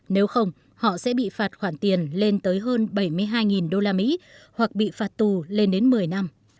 nếu không họ sẽ bị phạt khoản tiền lên tới hơn bảy mươi hai đô la mỹ hoặc bị phạt tù lên đến một mươi năm